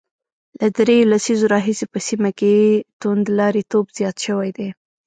له درېو لسیزو راهیسې په سیمه کې توندلاریتوب زیات شوی دی